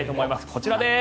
こちらです。